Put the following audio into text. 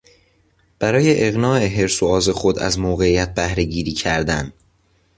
برای اقناع حرص و آز خود از موقعیت بهرهگیری کردن